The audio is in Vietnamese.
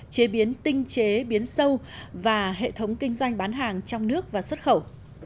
chế biến tinh chế biến sâu và hệ thống kinh doanh bán hàng trong nước và xuất khẩu